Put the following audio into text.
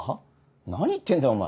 何言ってんだよお前。